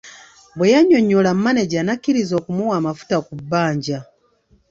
Bwe yannyonnyola mmaneja n’akkirirza okumuwa amafuta ku bbanja.